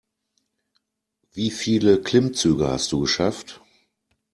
Wie viele Klimmzüge hast du geschafft?